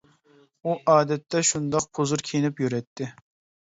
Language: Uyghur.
ئۇ ئادەتتە شۇنداق پۇزۇر كىيىنىپ يۈرەتتى.